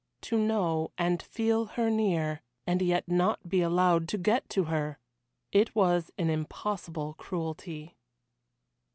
To know and feel her near, and yet not to be allowed to get to her! It was an impossible cruelty.